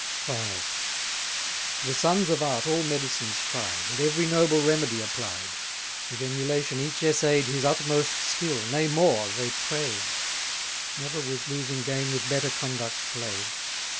V. The sons of art all medicines tried, And every noble remedy applied; With emulation each essay'd His utmost skill, nay more, they pray'd: Never was losing game with better conduct play'd.